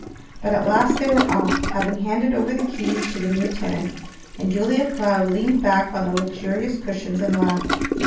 But at last they were off, having handed over the keys to the new tenant, and Julia Cloud leaned back on the luxurious cushions and laughed.